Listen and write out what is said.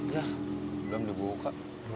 udah belum dibuka